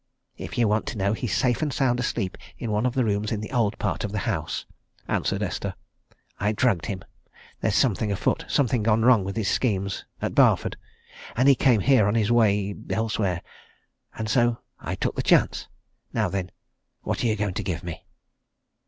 "If you want to know, he's safe and sound asleep in one of the rooms in the old part of the house," answered Esther. "I drugged him. There's something afoot something gone wrong with his schemes at Barford, and he came here on his way elsewhere. And so I took the chance. Now then what are you going to give me?"